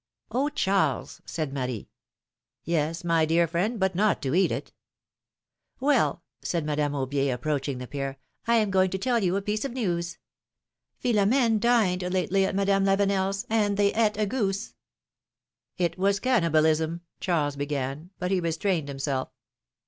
Oh, Charles !" said Marie. Yes, my dear friend — but not to eat it !" Well! ''said Madame Aubier, approaching the pair, am going to tell you a piece of news. Philom^ne philomene's marriages. 101 dined lately at Madame LaveneFs, and they eat a goose ! ^^It was cannibalism — Charles began; but he restrained himself.